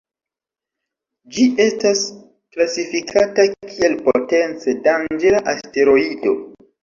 Ĝi estas klasifikata kiel potence danĝera asteroido.